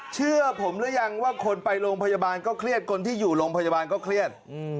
เชื่อผมหรือยังว่าคนไปโรงพยาบาลก็เครียดคนที่อยู่โรงพยาบาลก็เครียด